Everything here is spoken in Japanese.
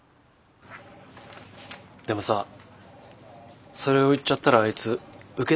でもさそれを言っちゃったらあいつ受けないでしょパナマ。